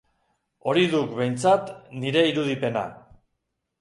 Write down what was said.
Hori duk, behintzat, nire irudipena.